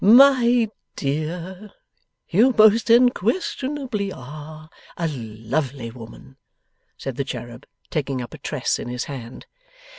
'My dear, you most unquestionably ARE a lovely woman,' said the cherub, taking up a tress in his hand.